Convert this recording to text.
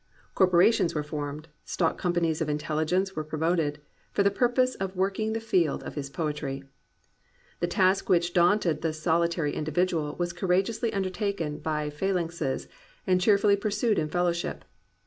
Corporations were formed, stock companies of intelligence were promoted, for the purpose of working the field of his poetry. The task which daunted the solitary individual was courageously undertaken by phalanxes and cheerfully pursued in fellowship.